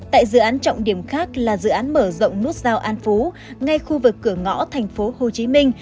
tại dự án trọng điểm khác là dự án mở rộng nút giao an phú ngay khu vực cửa ngõ thành phố hồ chí minh